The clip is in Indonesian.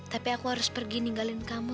tapi aku harus pergi ninggalin kamu